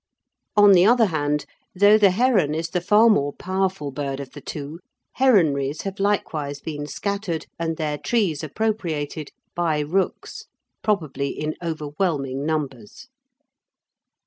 On the other hand, though the heron is the far more powerful bird of the two, heronries have likewise been scattered, and their trees appropriated, by rooks, probably in overwhelming numbers.